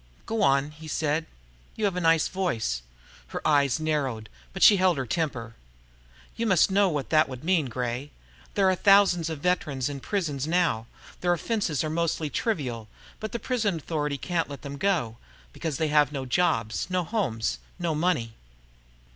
"Go on," he said. "You have a nice voice." Her eyes narrowed, but she held her temper. "You must know what that would mean, Gray. There are thousands of veterans in the prisons now. Their offenses are mostly trivial, but the Prison Authority can't let them go, because they have no jobs, no homes, no money.